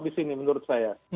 di sini menurut saya